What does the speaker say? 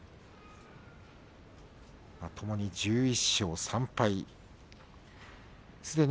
ともに１１勝３敗です。